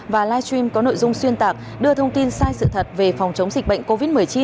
và live stream có nội dung xuyên tạc đưa thông tin sai sự thật về phòng chống dịch bệnh covid một mươi chín